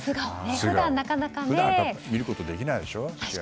普段は見ることできないでしょ。